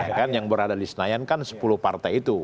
ya kan yang berada di senayan kan sepuluh partai itu